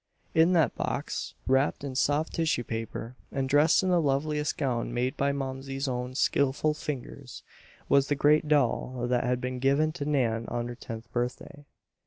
In that box, wrapped in soft tissue paper, and dressed in the loveliest gown made by Momsey's own skillful fingers, was the great doll that had been given to Nan on her tenth birthday.